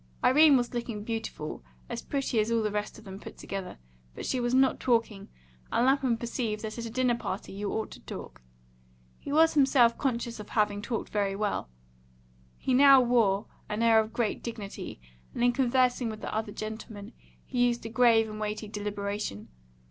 Irene was looking beautiful, as pretty as all the rest of them put together, but she was not talking, and Lapham perceived that at a dinner party you ought to talk. He was himself conscious of having, talked very well. He now wore an air of great dignity, and, in conversing with the other gentlemen, he used a grave and weighty deliberation.